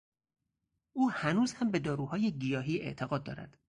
او هنوز هم به داروهای گیاهی اعتقاد دارد.